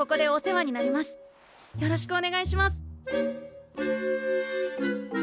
よろしくお願いします。